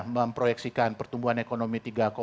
memproyeksikan pertumbuhan ekonomi